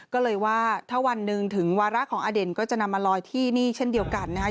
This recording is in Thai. ก็เลยว่าถ้าวันหนึ่งถึงวาระของอเด่นก็จะนำมาลอยที่นี่เช่นเดียวกันนะคะ